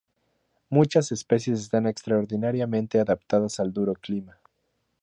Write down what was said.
Muchas especies están extraordinariamente adaptadas al duro clima.